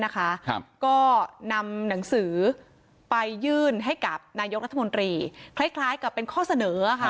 ก็นำหนังสือไปยื่นให้กับนายกรัฐมนตรีคล้ายกับเป็นข้อเสนอค่ะ